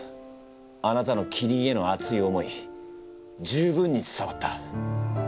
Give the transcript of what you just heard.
あなたのキリンへの熱い思い十分に伝わった。